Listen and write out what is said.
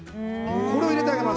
これを入れてあげます。